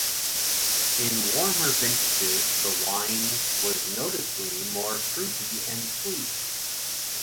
In warmer vintages the wine was noticeably more fruity and sweet.